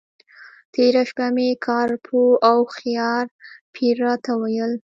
تېره شپه مې کار پوه او هوښیار پیر راته وویل.